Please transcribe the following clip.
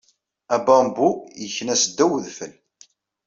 Abambu yekna seddaw udfel.